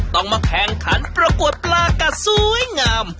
ต้องมาแข่งขันประกวดปลากัดสวยงาม